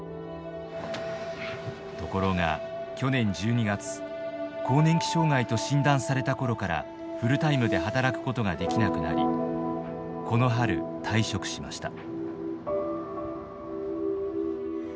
ところが去年１２月更年期障害と診断された頃からフルタイムで働くことができなくなりこの春退職しました。